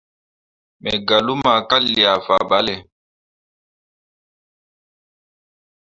Me gah luma ka liah faɓalle.